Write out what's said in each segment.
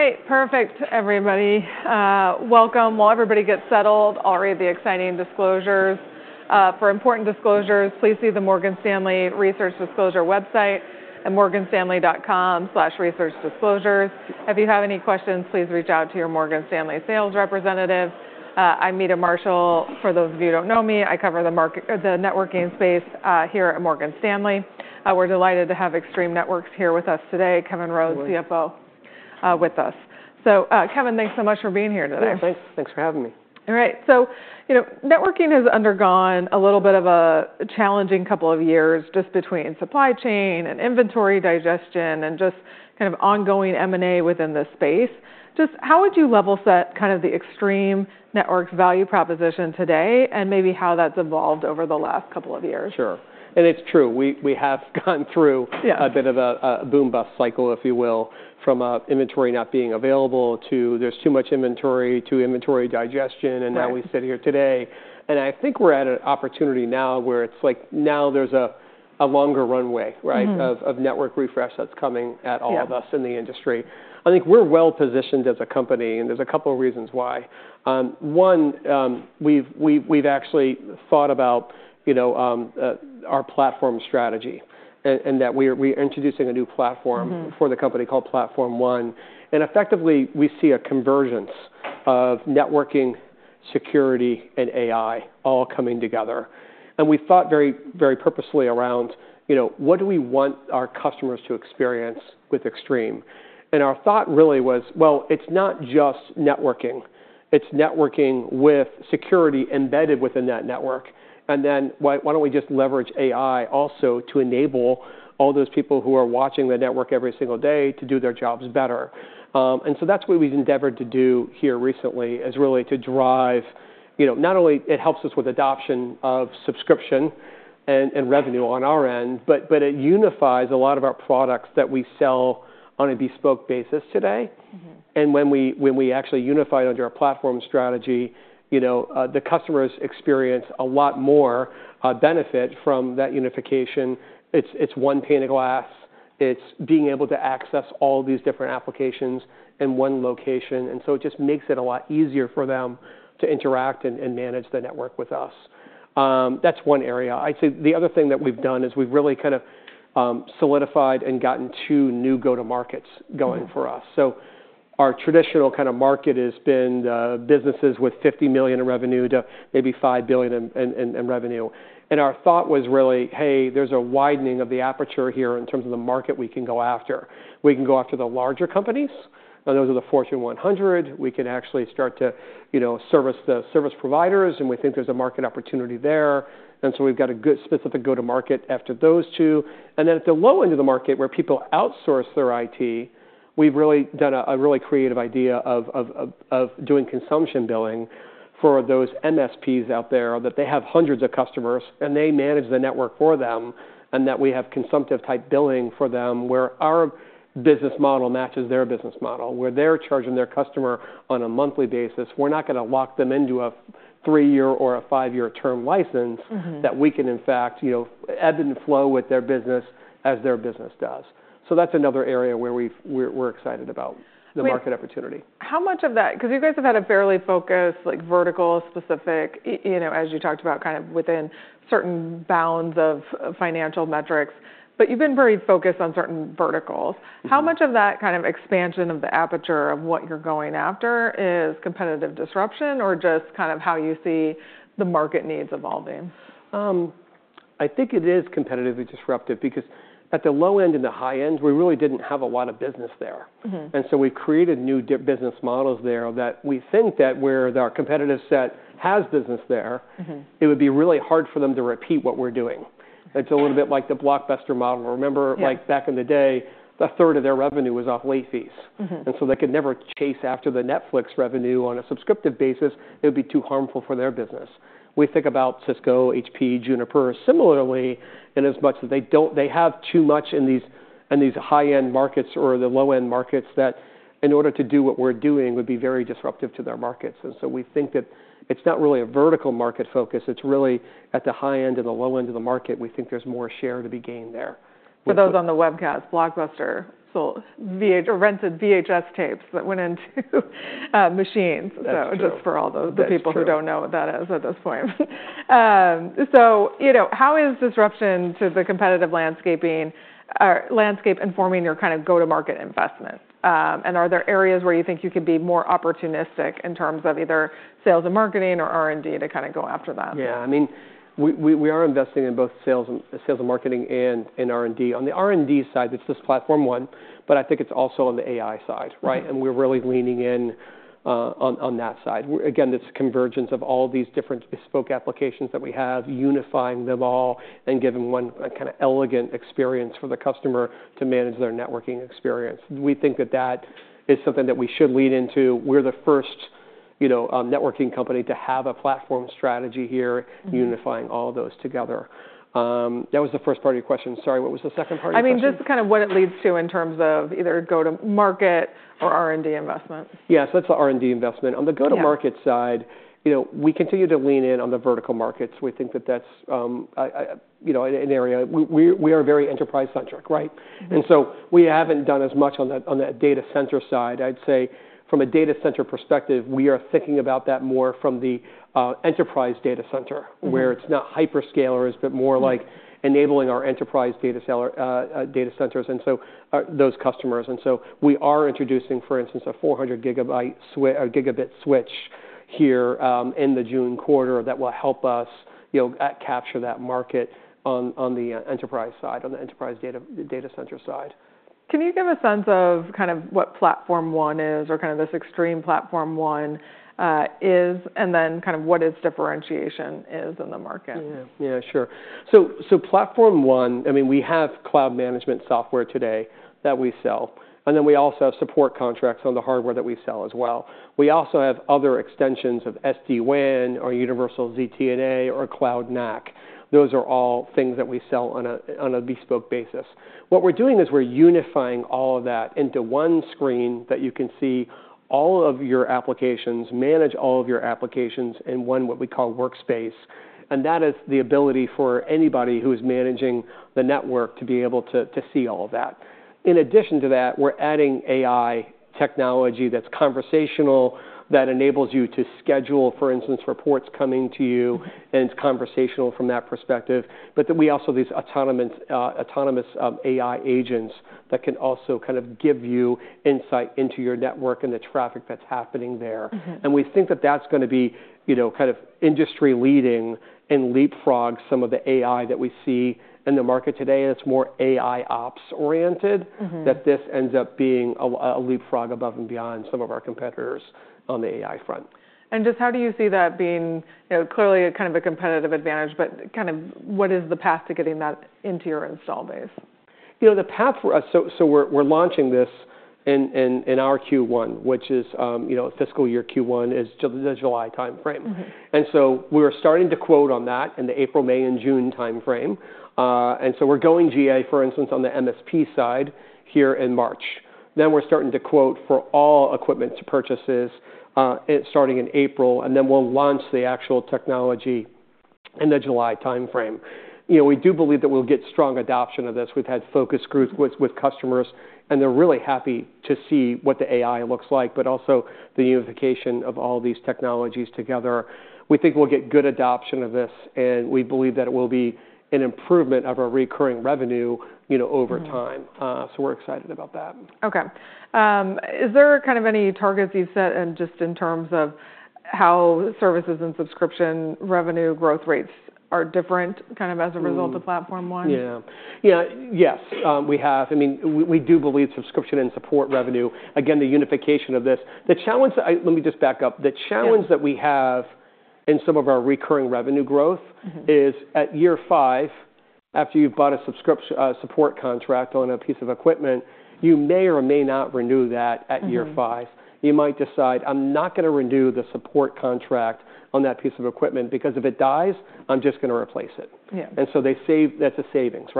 All right, perfect, everybody. Welcome. While everybody gets settled, I'll read the exciting disclosures. For important disclosures, please see the Morgan Stanley Research Disclosure website at morganstanley.com/researchdisclosures. If you have any questions, please reach out to your Morgan Stanley sales representative. I'm Meta Marshall. For those of you who don't know me, I cover the networking space here at Morgan Stanley. We're delighted to have Extreme Networks here with us today, Kevin Rhodes, CFO, with us. So, Kevin, thanks so much for being here today. Thanks for having me. All right. So, networking has undergone a little bit of a challenging couple of years just between supply chain and inventory digestion and just kind of ongoing M&A within the space. Just how would you level set kind of the Extreme Networks value proposition today and maybe how that's evolved over the last couple of years? Sure, and it's true. We have gone through a bit of a boom-bust cycle, if you will, from inventory not being available to there's too much inventory, to inventory digestion, and now we sit here today. I think we're at an opportunity now where it's like now there's a longer runway of network refresh that's coming at all of us in the industry. I think we're well positioned as a company, and there's a couple of reasons why. One, we've actually thought about our platform strategy and that we are introducing a new platform for the company called Platform One. And effectively, we see a convergence of networking, security, and AI all coming together. We thought very purposefully around what do we want our customers to experience with Extreme. Our thought really was, well, it's not just networking. It's networking with security embedded within that network. And then why don't we just leverage AI also to enable all those people who are watching the network every single day to do their jobs better? And so that's what we've endeavored to do here recently is really to drive not only it helps us with adoption of subscription and revenue on our end, but it unifies a lot of our products that we sell on a bespoke basis today. And when we actually unify it under our platform strategy, the customers experience a lot more benefit from that unification. It's one pane of glass. It's being able to access all these different applications in one location. And so it just makes it a lot easier for them to interact and manage the network with us. That's one area. I'd say the other thing that we've done is we've really kind of solidified and gotten two new go-to-markets going for us. So our traditional kind of market has been businesses with 50 million in revenue to maybe 5 billion in revenue. And our thought was really, hey, there's a widening of the aperture here in terms of the market we can go after. We can go after the larger companies. Now, those are the Fortune 100. We can actually start to service the service providers, and we think there's a market opportunity there. And so we've got a good specific go-to-market after those two. Then at the low end of the market, where people outsource their IT, we've really done a really creative idea of doing consumption billing for those MSPs out there that they have hundreds of customers, and they manage the network for them, and that we have consumptive-type billing for them where our business model matches their business model, where they're charging their customer on a monthly basis. We're not going to lock them into a three-year or a five-year term license that we can, in fact, ebb and flow with their business as their business does. That's another area where we're excited about the market opportunity. How much of that? Because you guys have had a fairly focused vertical specific, as you talked about, kind of within certain bounds of financial metrics, but you've been very focused on certain verticals. How much of that kind of expansion of the aperture of what you're going after is competitive disruption or just kind of how you see the market needs evolving? I think it is competitively disruptive because at the low end and the high end, we really didn't have a lot of business there. We've created new business models there that we think that where our competitive set has business there, it would be really hard for them to repeat what we're doing. It's a little bit like the Blockbuster model. Remember back in the day, a third of their revenue was off late fees. They could never chase after the Netflix revenue on a subscription basis. It would be too harmful for their business. We think about Cisco, HP, Juniper, similarly, in as much that they have too much in these high-end markets or the low-end markets that in order to do what we're doing would be very disruptive to their markets. We think that it's not really a vertical market focus. It's really at the high end and the low end of the market. We think there's more share to be gained there. For those on the webcast, Blockbuster rented VHS tapes that went into machines. So just for all the people who don't know what that is at this point. So how is disruption to the competitive landscape informing your kind of go-to-market investment? And are there areas where you think you can be more opportunistic in terms of either sales and marketing or R&D to kind of go after that? Yeah. I mean, we are investing in both sales and marketing and R&D. On the R&D side, it's this Platform One, but I think it's also on the AI side. And we're really leaning in on that side. Again, it's a convergence of all these different bespoke applications that we have, unifying them all and giving one kind of elegant experience for the customer to manage their networking experience. We think that that is something that we should lean into. We're the first networking company to have a platform strategy here, unifying all those together. That was the first part of your question. Sorry, what was the second part of your question? I mean, just kind of what it leads to in terms of either go-to-market or R&D investment. Yeah, so that's the R&D investment. On the go-to-market side, we continue to lean in on the vertical markets. We think that that's an area. We are very enterprise-centric. And so we haven't done as much on that data center side. I'd say from a data center perspective, we are thinking about that more from the enterprise data center, where it's not hyperscalers, but more like enabling our enterprise data centers and those customers. And so we are introducing, for instance, a 400 gigabit switch here in the June quarter that will help us capture that market on the enterprise side, on the enterprise data center side. Can you give a sense of kind of what Platform One is or kind of this Extreme Platform One is, and then kind of what its differentiation is in the market? Yeah, sure. So Platform One, I mean, we have cloud management software today that we sell. And then we also have support contracts on the hardware that we sell as well. We also have other extensions of SD-WAN or Universal ZTNA or Cloud NAC. Those are all things that we sell on a bespoke basis. What we're doing is we're unifying all of that into one screen that you can see all of your applications, manage all of your applications in one what we call workspace. And that is the ability for anybody who is managing the network to be able to see all of that. In addition to that, we're adding AI technology that's conversational, that enables you to schedule, for instance, reports coming to you, and it's conversational from that perspective. But then we also have these autonomous AI agents that can also kind of give you insight into your network and the traffic that's happening there. And we think that that's going to be kind of industry-leading and leapfrog some of the AI that we see in the market today that's more AIOps-oriented, that this ends up being a leapfrog above and beyond some of our competitors on the AI front. Just how do you see that being clearly kind of a competitive advantage, but kind of what is the path to getting that into your install base? The path for us, so we're launching this in our Q1, which is fiscal year Q1, is the July time frame. And so we're starting to quote on that in the April, May, and June time frame. And so we're going GA, for instance, on the MSP side here in March. Then we're starting to quote for all equipment purchases starting in April. And then we'll launch the actual technology in the July time frame. We do believe that we'll get strong adoption of this. We've had focus groups with customers, and they're really happy to see what the AI looks like, but also the unification of all these technologies together. We think we'll get good adoption of this, and we believe that it will be an improvement of our recurring revenue over time. So we're excited about that. Okay. Is there kind of any targets you've set just in terms of how services and subscription revenue growth rates are different kind of as a result of Platform One? Yeah. Yeah, yes, we have. I mean, we do believe subscription and support revenue, again, the unification of this. Let me just back up. The challenge that we have in some of our recurring revenue growth is at year five, after you've bought a support contract on a piece of equipment, you may or may not renew that at year five. You might decide, "I'm not going to renew the support contract on that piece of equipment because if it dies, I'm just going to replace it." And so that's a savings.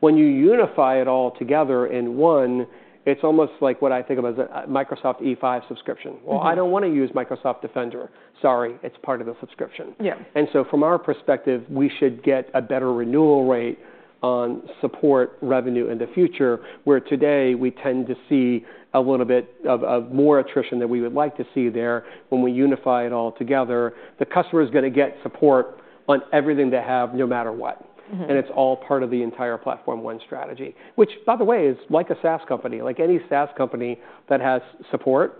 When you unify it all together in one, it's almost like what I think of as a Microsoft E5 subscription. Well, I don't want to use Microsoft Defender. Sorry, it's part of the subscription. From our perspective, we should get a better renewal rate on support revenue in the future, where today we tend to see a little bit of more attrition than we would like to see there when we unify it all together. The customer is going to get support on everything they have no matter what. It's all part of the entire Platform One strategy, which, by the way, is like a SaaS company, like any SaaS company that has support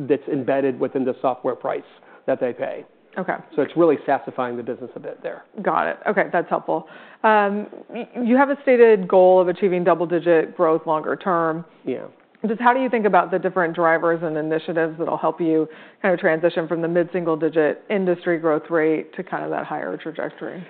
that's embedded within the software price that they pay. It's really SaaSifying the business a bit there. Got it. Okay. That's helpful. You have a stated goal of achieving double-digit growth longer term. Just how do you think about the different drivers and initiatives that will help you kind of transition from the mid-single-digit industry growth rate to kind of that higher trajectory?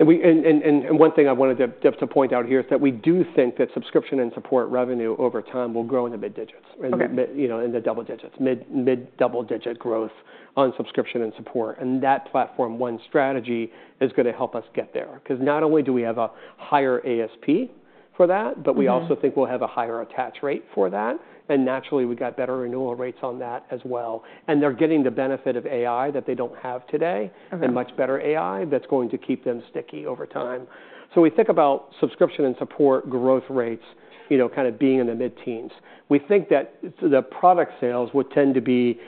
And one thing I wanted to point out here is that we do think that subscription and support revenue over time will grow in the mid-digits, in the double digits, mid-double-digit growth on subscription and support. And that Platform One strategy is going to help us get there because not only do we have a higher ASP for that, but we also think we'll have a higher attach rate for that. And naturally, we've got better renewal rates on that as well. And they're getting the benefit of AI that they don't have today and much better AI that's going to keep them sticky over time. So we think about subscription and support growth rates kind of being in the mid-teens. We think that the product sales would tend to be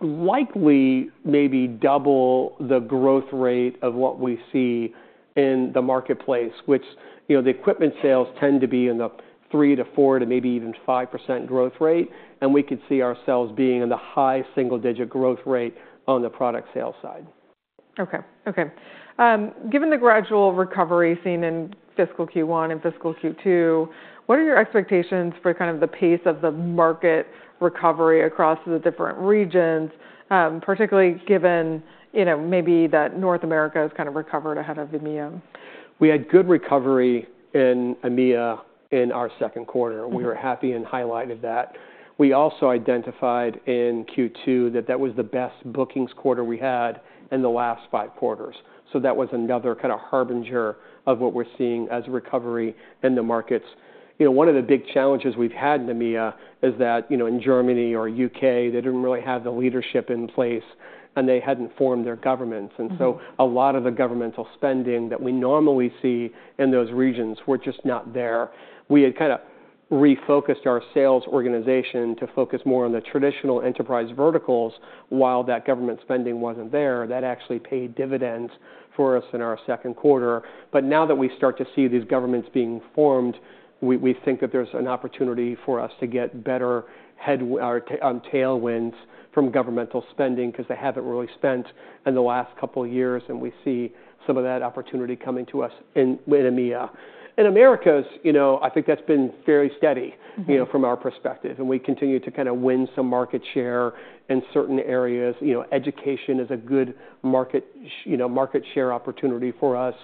likely maybe double the growth rate of what we see in the marketplace, which the equipment sales tend to be in the 3% to 4% to maybe even 5% growth rate, and we could see ourselves being in the high single-digit growth rate on the product sales side. Given the gradual recovery seen in fiscal Q1 and fiscal Q2, what are your expectations for kind of the pace of the market recovery across the different regions, particularly given maybe that North America has kind of recovered ahead of EMEA? We had good recovery in EMEA in our Q2. We were happy and highlighted that. We also identified in Q2 that that was the best bookings quarter we had in the last five quarters. So that was another kind of harbinger of what we're seeing as recovery in the markets. One of the big challenges we've had in EMEA is that in Germany or UK, they didn't really have the leadership in place, and they hadn't formed their governments. And so a lot of the governmental spending that we normally see in those regions were just not there. We had kind of refocused our sales organization to focus more on the traditional enterprise verticals while that government spending wasn't there. That actually paid dividends for us in our Q2. But now that we start to see these governments being formed, we think that there's an opportunity for us to get better tailwinds from governmental spending because they haven't really spent in the last couple of years. And we see some of that opportunity coming to us in EMEA. In Americas, I think that's been fairly steady from our perspective. And we continue to kind of win some market share in certain areas. Education is a good market share opportunity for us.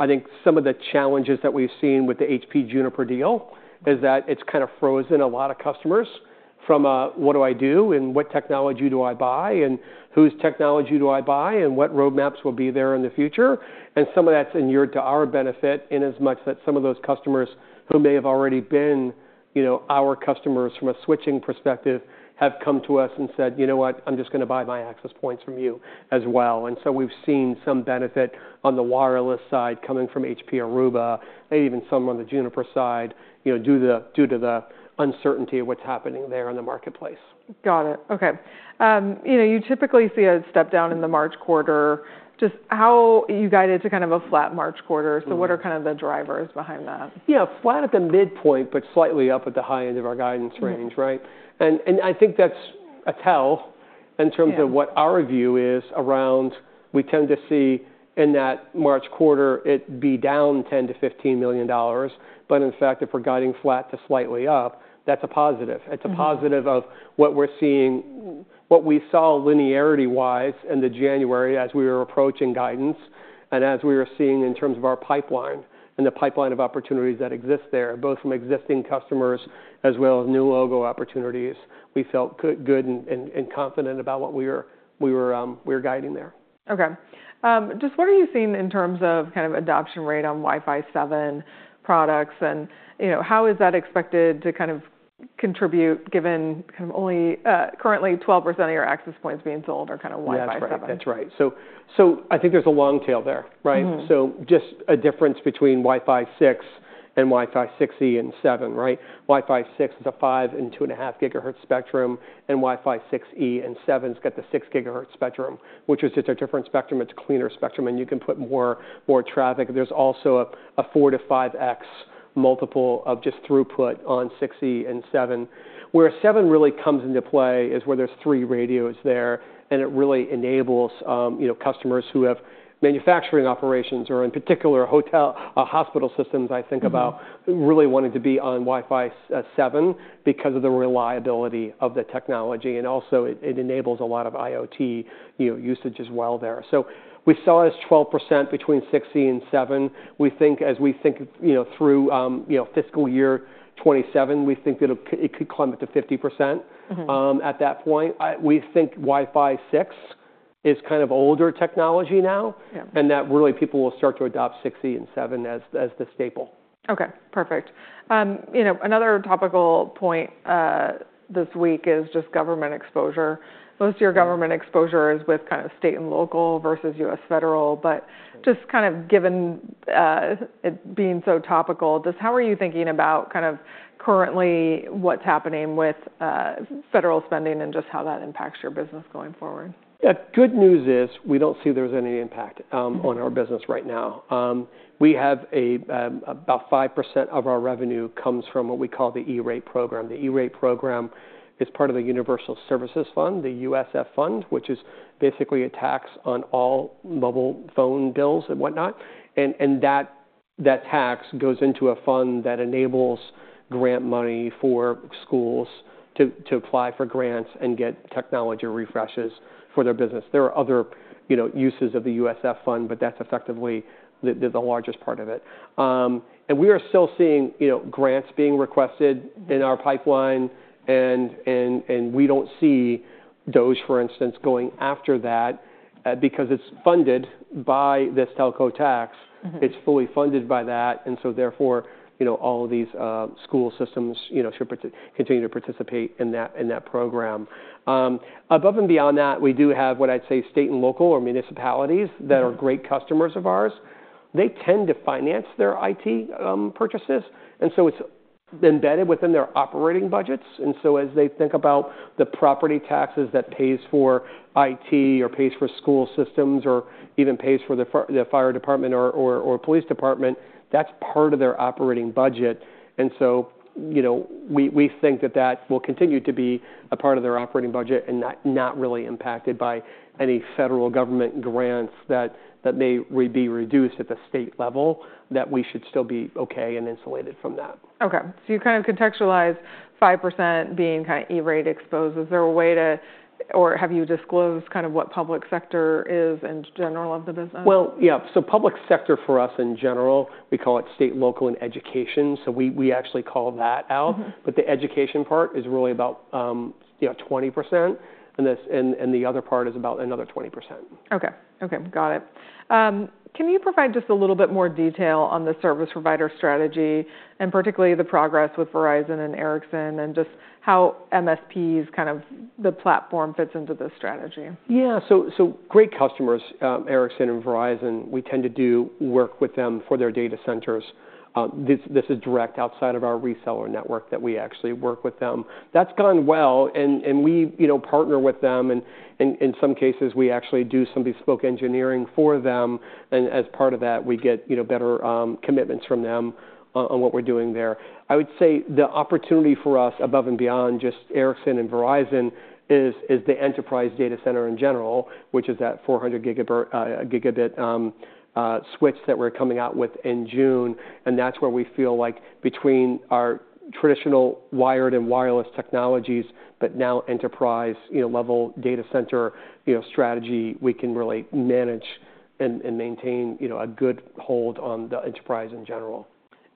I think some of the challenges that we've seen with the HP, Juniper deal is that it's kind of frozen a lot of customers from a, "What do I do? And what technology do I buy? And whose technology do I buy? And what roadmaps will be there in the future?" Some of that's inures to our benefit in as much as some of those customers who may have already been our customers from a switching perspective have come to us and said, "You know what? I'm just going to buy my access points from you as well." So we've seen some benefit on the wireless side coming from HP Aruba and even some on the Juniper side due to the uncertainty of what's happening there in the marketplace. Got it. Okay. You typically see a step down in the March quarter. Just how are you guided to kind of a flat March quarter? So what are kind of the drivers behind that? Yeah, flat at the midpoint, but slightly up at the high end of our guidance range. And I think that's a tell in terms of what our view is around we tend to see in that March quarter it be down $10 million to 15 million. But in fact, if we're guiding flat to slightly up, that's a positive. It's a positive of what we're seeing, what we saw linearity-wise in the January as we were approaching guidance and as we were seeing in terms of our pipeline and the pipeline of opportunities that exist there, both from existing customers as well as new logo opportunities. We felt good and confident about what we were guiding there. Okay. Just what are you seeing in terms of kind of adoption rate on Wi-Fi 7 products? And how is that expected to kind of contribute given kind of only currently 12% of your access points being sold are kind of Wi-Fi 7? That's right. That's right. So I think there's a long tail there. So just a difference between Wi-Fi 6 and Wi-Fi 6E and 7. Wi-Fi 6 is a 2.4 and 5 gigahertz spectrum, and Wi-Fi 6E and 7 has got the 6 gigahertz spectrum, which is just a different spectrum. It's a cleaner spectrum, and you can put more traffic. There's also a 4 to 5x multiple of just throughput on 6E and 7. Where 7 really comes into play is where there's three radios there, and it really enables customers who have manufacturing operations or, in particular, hotel hospital systems. I think about really wanting to be on Wi-Fi 7 because of the reliability of the technology. And also, it enables a lot of IoT usage as well there. So we saw this 12% between 6E and 7. As we think through fiscal year 2027, we think it could climb up to 50% at that point. We think Wi-Fi 6 is kind of older technology now, and that really people will start to adopt 6E and 7 as the staple. Okay. Perfect. Another topical point this week is just government exposure. Most of your government exposure is with kind of state and local versus U.S. federal. But just kind of given it being so topical, just how are you thinking about kind of currently what's happening with federal spending and just how that impacts your business going forward? Yeah. Good news is we don't see there's any impact on our business right now. We have about 5% of our revenue comes from what we call the E-rate program. The E-rate program is part of the Universal Service Fund, the USF Fund, which is basically a tax on all mobile phone bills and whatnot. And that tax goes into a fund that enables grant money for schools to apply for grants and get technology refreshes for their business. There are other uses of the USF Fund, but that's effectively the largest part of it. And we are still seeing grants being requested in our pipeline. And we don't see those, for instance, going after that because it's funded by this telco tax. It's fully funded by that. And so therefore, all of these school systems should continue to participate in that program. Above and beyond that, we do have what I'd say state and local or municipalities that are great customers of ours. They tend to finance their IT purchases. And so it's embedded within their operating budgets. And so as they think about the property taxes that pays for IT or pays for school systems or even pays for the fire department or police department, that's part of their operating budget. And so we think that that will continue to be a part of their operating budget and not really impacted by any federal government grants that may be reduced at the state level, that we should still be okay and insulated from that. Okay. So you kind of contextualize 5% being kind of E-rate exposed. Is there a way to, or have you disclosed kind of what public sector is in general of the business? Yeah. So, public sector for us in general, we call it State, Local, and Education. So, we actually call that out. But the education part is really about 20%, and the other part is about another 20%. Okay. Okay. Got it. Can you provide just a little bit more detail on the service provider strategy and particularly the progress with Verizon and Ericsson and just how MSPs, kind of the platform fits into this strategy? Yeah, so great customers, Ericsson and Verizon, we tend to do work with them for their data centers. This is direct outside of our reseller network that we actually work with them. That's gone well, and we partner with them. And in some cases, we actually do some bespoke engineering for them. And as part of that, we get better commitments from them on what we're doing there. I would say the opportunity for us above and beyond just Ericsson and Verizon is the enterprise data center in general, which is that 400 gigabit switch that we're coming out with in June. And that's where we feel like between our traditional wired and wireless technologies, but now enterprise-level data center strategy, we can really manage and maintain a good hold on the enterprise in general.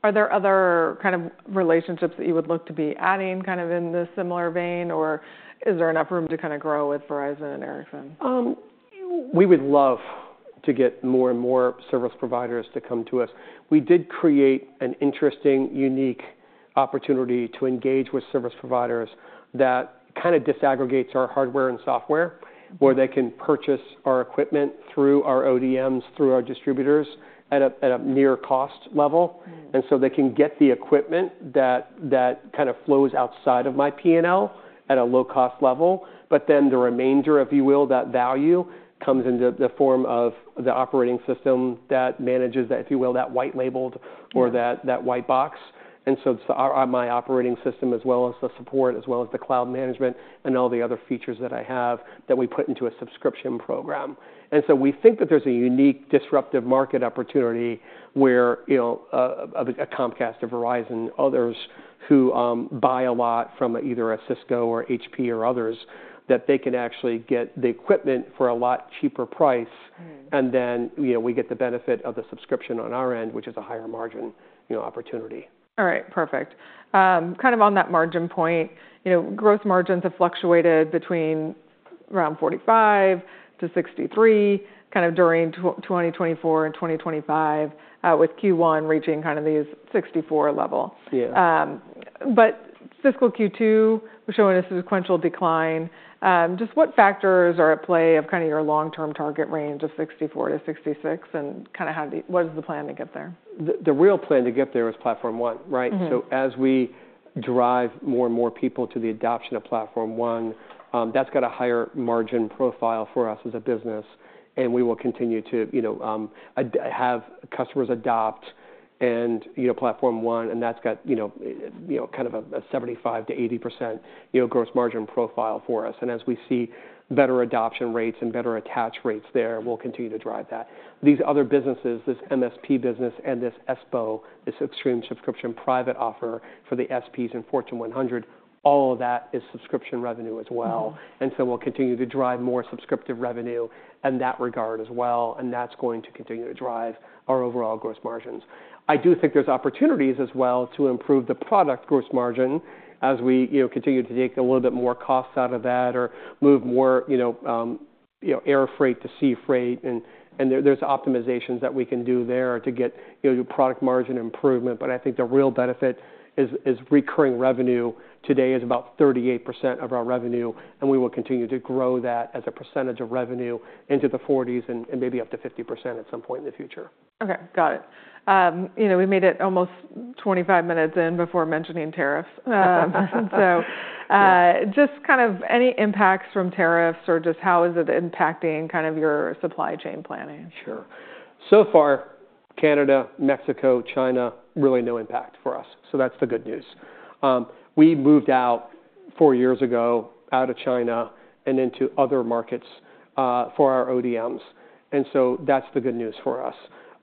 Are there other kind of relationships that you would look to be adding kind of in this similar vein, or is there enough room to kind of grow with Verizon and Ericsson? We would love to get more and more service providers to come to us. We did create an interesting, unique opportunity to engage with service providers that kind of disaggregates our hardware and software where they can purchase our equipment through our ODMs, through our distributors at a near cost level, and so they can get the equipment that kind of flows outside of my P&L at a low-cost level, but then the remainder, if you will, that value comes into the form of the operating system that manages that, if you will, that white labeled or that white box, and so it's my operating system as well as the support as well as the cloud management and all the other features that I have that we put into a subscription program. And so we think that there's a unique disruptive market opportunity where a Comcast, a Verizon, others who buy a lot from either a Cisco or HP or others that they can actually get the equipment for a lot cheaper price. And then we get the benefit of the subscription on our end, which is a higher margin opportunity. All right. Perfect. Kind of on that margin point, growth margins have fluctuated between around 45% to 63% kind of during 2024 and 2025 with Q1 reaching kind of these 64% level. But fiscal Q2 was showing a sequential decline. Just what factors are at play of kind of your long-term target range of 64% to 66% and kind of what is the plan to get there? The real plan to get there is Platform One. So as we drive more and more people to the adoption of Platform One, that's got a higher margin profile for us as a business. And we will continue to have customers adopt Platform One. And that's got kind of a 75% to 80% gross margin profile for us. And as we see better adoption rates and better attach rates there, we'll continue to drive that. These other businesses, this MSP business and this Extreme Subscription Private Offer for the SPs and Fortune 100, all of that is subscription revenue as well. And so we'll continue to drive more subscription revenue in that regard as well. And that's going to continue to drive our overall gross margins. I do think there's opportunities as well to improve the product gross margin as we continue to take a little bit more costs out of that or move more air freight to sea freight. And there's optimizations that we can do there to get product margin improvement. But I think the real benefit is recurring revenue today is about 38% of our revenue. And we will continue to grow that as a percentage of revenue into the 40s and maybe up to 50% at some point in the future. Okay. Got it. We made it almost 25 minutes in before mentioning tariffs, so just kind of any impacts from tariffs or just how is it impacting kind of your supply chain planning? Sure. So far, Canada, Mexico, China, really no impact for us, so that's the good news. We moved out four years ago out of China and into other markets for our ODMs, and so that's the good news for us.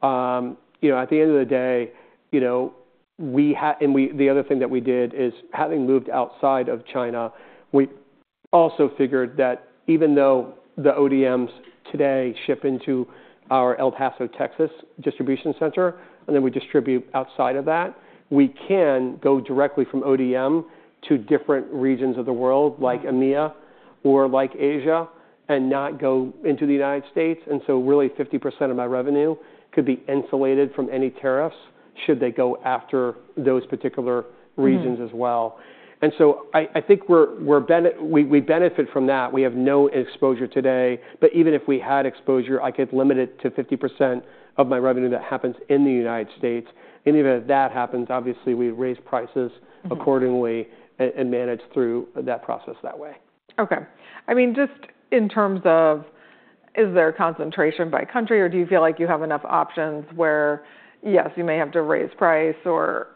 At the end of the day, and the other thing that we did is having moved outside of China, we also figured that even though the ODMs today ship into our El Paso, Texas distribution center, and then we distribute outside of that, we can go directly from ODM to different regions of the world like EMEA or like Asia and not go into the United States, and so really 50% of my revenue could be insulated from any tariffs should they go after those particular regions as well, and so I think we benefit from that. We have no exposure today. But even if we had exposure, I could limit it to 50% of my revenue that happens in the United States. And even if that happens, obviously, we raise prices accordingly and manage through that process that way. Okay. I mean, just in terms of is there concentration by country, or do you feel like you have enough options where, yes, you may have to raise price or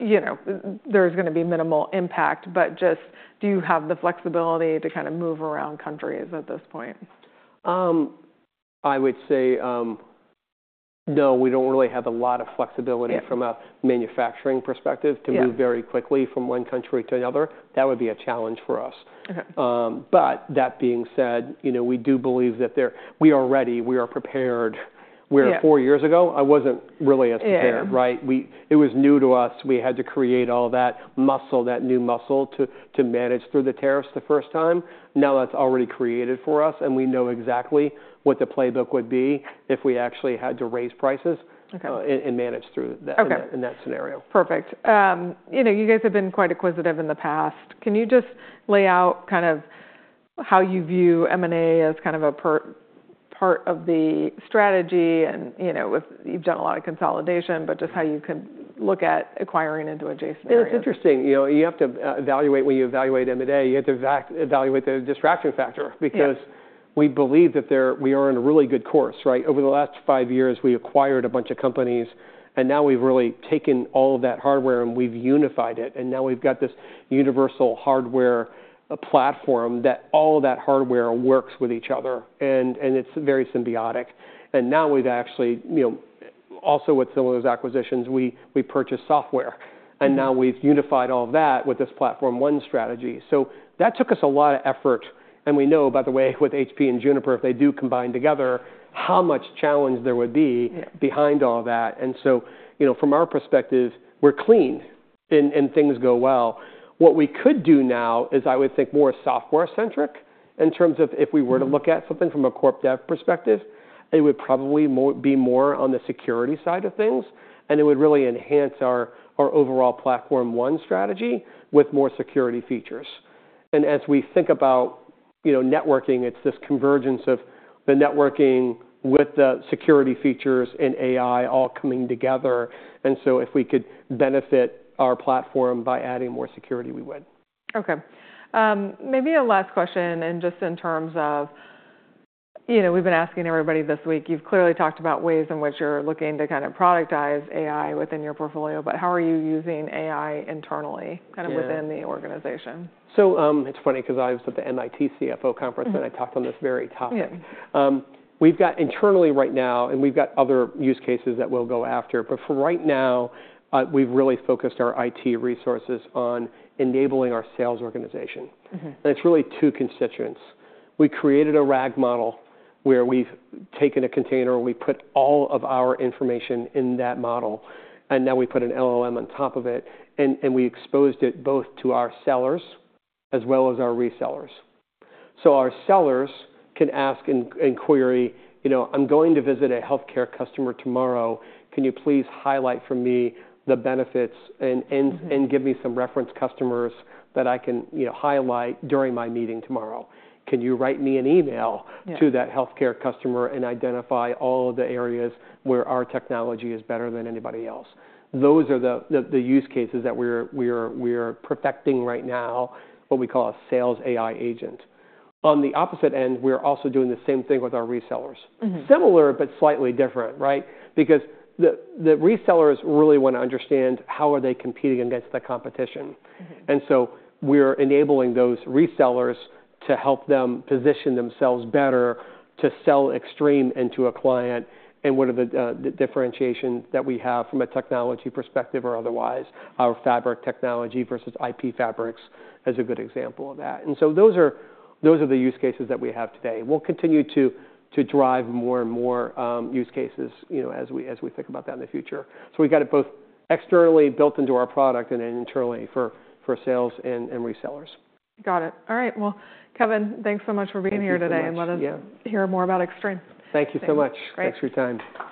there's going to be minimal impact, but just do you have the flexibility to kind of move around countries at this point? I would say no, we don't really have a lot of flexibility from a manufacturing perspective to move very quickly from one country to another. That would be a challenge for us. But that being said, we do believe that we are ready. We are prepared. Where four years ago, I wasn't really as prepared. It was new to us. We had to create all that muscle, that new muscle to manage through the tariffs the first time. Now that's already created for us, and we know exactly what the playbook would be if we actually had to raise prices and manage through that in that scenario. Perfect. You guys have been quite acquisitive in the past. Can you just lay out kind of how you view M&A as kind of a part of the strategy, and you've done a lot of consolidation, but just how you can look at acquiring into adjacent areas? It's interesting. You have to evaluate when you evaluate M&A, you have to evaluate the distraction factor because we believe that we are on a really good course. Over the last five years, we acquired a bunch of companies, and now we've really taken all of that hardware and we've unified it. And now we've got this universal hardware platform that all that hardware works with each other. And it's very symbiotic. And now we've actually also with some of those acquisitions, we purchased software. And now we've unified all of that with this Platform One strategy. So that took us a lot of effort. And we know, by the way, with HP and Juniper, if they do combine together, how much challenge there would be behind all of that. And so from our perspective, we're clean and things go well. What we could do now is I would think more software-centric in terms of if we were to look at something from a Corp dev perspective, it would probably be more on the security side of things. And it would really enhance our overall Platform One strategy with more security features. And as we think about networking, it's this convergence of the networking with the security features and AI all coming together. And so if we could benefit our platform by adding more security, we would. Okay. Maybe a last question, and just in terms of we've been asking everybody this week. You've clearly talked about ways in which you're looking to kind of productize AI within your portfolio, but how are you using AI internally kind of within the organization? So it's funny because I was at the MIT CFO Conference, and I talked on this very topic. We've got internally right now, and we've got other use cases that we'll go after. But for right now, we've really focused our IT resources on enabling our sales organization. And it's really two constituents. We created a RAG model where we've taken a container and we put all of our information in that model. And now we put an LLM on top of it. And we exposed it both to our sellers as well as our resellers. So our sellers can ask and query, "I'm going to visit a healthcare customer tomorrow. Can you please highlight for me the benefits and give me some reference customers that I can highlight during my meeting tomorrow? Can you write me an email to that healthcare customer and identify all of the areas where our technology is better than anybody else?" Those are the use cases that we're perfecting right now, what we call a sales AI agent. On the opposite end, we're also doing the same thing with our resellers. Similar, but slightly different because the resellers really want to understand how are they competing against the competition. And so we're enabling those resellers to help them position themselves better to sell Extreme into a client. And what are the differentiations that we have from a technology perspective or otherwise? Our fabric technology versus IP fabrics is a good example of that. And so those are the use cases that we have today. We'll continue to drive more and more use cases as we think about that in the future. So we've got it both externally built into our product and then internally for sales and resellers. Got it. All right. Well, Kevin, thanks so much for being here today and let us hear more about Extreme. Thank you so much. Thanks for your time.